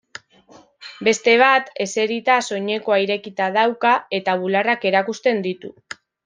Beste bat, eserita, soinekoa irekita dauka eta bularrak erakusten ditu.